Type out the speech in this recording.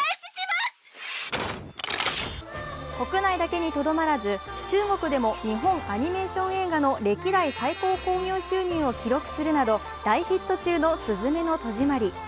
国内だけにとどまらず中国でも日本アニメーション映画の歴代最高興行収入を記録するなど大ヒット中の「すずめの戸締まり」。